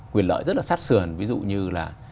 quyền lợi rất là sát sườn ví dụ như là